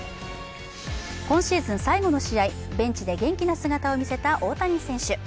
今シーズン最後の試合、ベンチで元気な姿を見せた大谷選手。